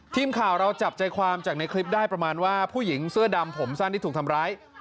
ทีมข่าวเราจับใจความจากในคลิปได้ประมาณว่าผู้หญิงเสื้อดำผมสั้นที่ถูกทำร้าย